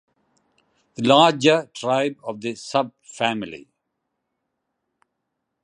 The larger tribe of the subfamily.